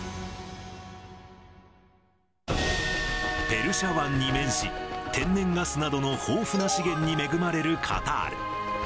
ペルシャ湾に面し、天然ガスなどの豊富な資源に恵まれるカタール。